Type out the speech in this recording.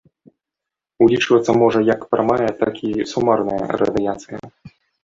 Улічвацца можа як прамая, так і сумарная радыяцыя.